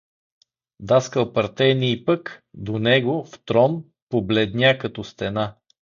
Даскал Партений пък, до него, в трон, побледня като стена.